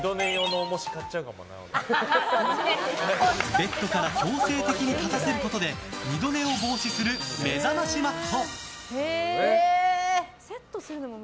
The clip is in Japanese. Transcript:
ベッドから強制的に立たせることで二度寝を防止する目覚ましマット。